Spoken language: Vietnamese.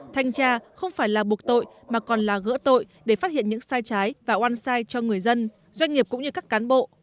thanh tra không phải là buộc tội mà còn là gỡ tội để phát hiện những sai trái và oan sai cho người dân doanh nghiệp cũng như các cán bộ